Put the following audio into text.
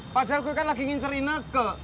padahal gue kan lagi ingin ceri neke